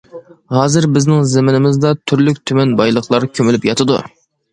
ھازىر بىزنىڭ زېمىنىمىزدا تۈرلۈك-تۈمەن بايلىقلار كۆمۈلۈپ ياتىدۇ.